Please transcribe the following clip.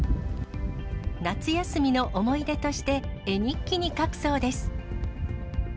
夏休みの思い出として、絵日記に書くそうです。